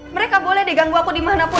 mereka boleh diganggu aku dimanapun